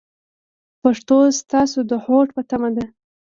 پښتو ستاسو د هوډ په تمه ده.